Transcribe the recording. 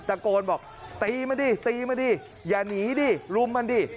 ตะโกนบอกตีมาดิตีมาดิอย่าหนีดิรุมมันดิ